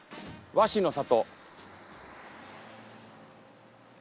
和紙の里？